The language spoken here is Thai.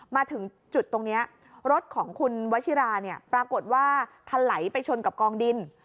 มาถึงจุดตรงนี้รถของคุณวัชิราเนี่ยปรากฏว่าทะไหลไปชนกับกองดิน